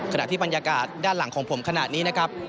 ขณะที่บรรยากาศด้านหลังของผมขณะนี้นะครับ